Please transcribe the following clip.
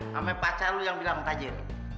sampai pacar lu yang bilang tajir